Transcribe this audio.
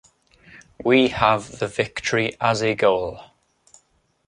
We have the victory as a goal.